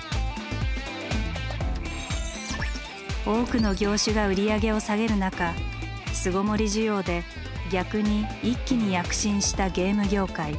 多くの業種が売り上げを下げる中巣ごもり需要で逆に一気に躍進したゲーム業界。